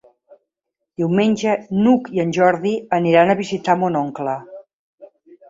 Diumenge n'Hug i en Jordi aniran a visitar mon oncle.